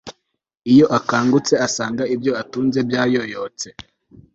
iyo akangutse asanga ibyo atunze byayoyotse